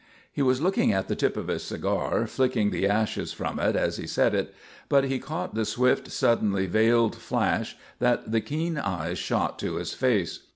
He was looking at the tip of his cigar, flicking the ashes from it as he said it; but he caught the swift, suddenly veiled flash that the keen eyes shot to his face.